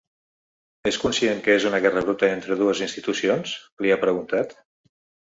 És conscient que és una guerra bruta entre dues institucions?, li ha preguntat.